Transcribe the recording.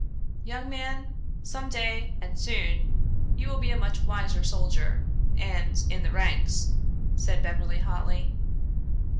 "Young man, some day and soon you will be a much wiser soldier and, in the ranks," said Beverly hotly.